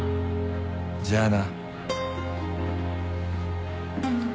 じゃあな。